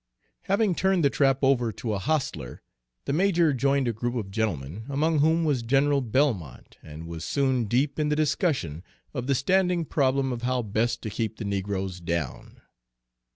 Having turned the trap over to a hostler, the major joined a group of gentlemen, among whom was General Belmont, and was soon deep in the discussion of the standing problem of how best to keep the negroes down.